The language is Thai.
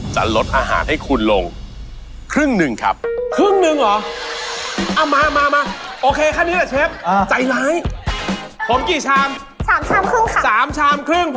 สุขไหมอย่างนี้สุขไหมอย่างนี้สุขไหม